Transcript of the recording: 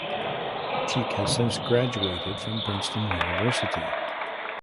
Cheek has since graduated from Princeton University.